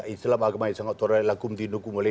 islam agama yang sangat terlalu